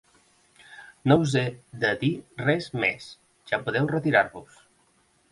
No us he de dir res més: ja podeu retirar-vos.